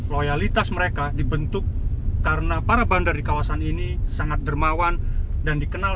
loyalitas mereka dibentuk karena para bandar di kawasan ini sangat dermawan dan dikenal